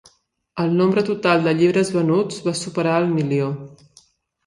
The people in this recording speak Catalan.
El nombre total de llibres venuts va superar el milió.